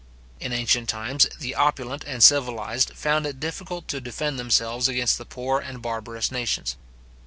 In ancient times, the opulent and civilized found it difficult to defend themselves against the poor and barbarous nations.